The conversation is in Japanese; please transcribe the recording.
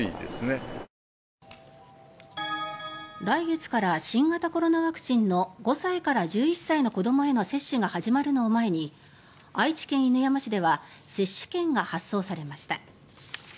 来月から新型コロナワクチンの５歳から１１歳の子どもへの接種が始まるのを前に愛知県犬山市では接種券が発送されました。